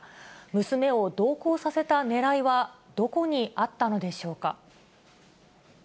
娘を同行させたねらいはどこにあったのでしょうか。